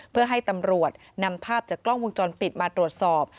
เพื่อให้ตำรวจนำภาพจากกล้องวงจรปิดมาตรวจสอบ